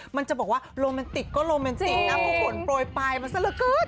มันจะบอกว่าโรแมนติกก็โรแมนติกน้ำผู้ขนโปรยไปมันซะละกึ๊ด